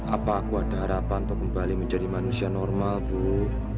apa aku ada harapan untuk kembali menjadi manusia normal bu